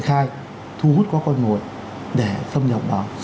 khai thu hút các con người để xâm nhập vào